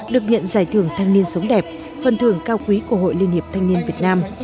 được nhận giải thưởng thanh niên sống đẹp phần thưởng cao quý của hội liên hiệp thanh niên việt nam